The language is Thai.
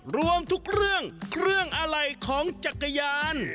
รวมทุกเรื่องเครื่องอะไรของจักรยาน